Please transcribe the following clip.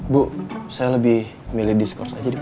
bu saya lebih milih diskos saja dipu